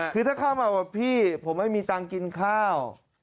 คือถ้าเข้ามาว่าพี่ผมไม่มีตังค์กินข้าว